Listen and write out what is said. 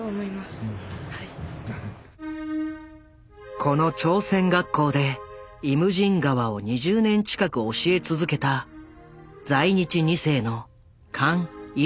この朝鮮学校で「イムジン河」を２０年近く教え続けた在日２世のカン・イルスン。